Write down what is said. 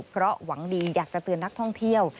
เพราะหวังดีอยากจะเตือนนักท่องเที่ยว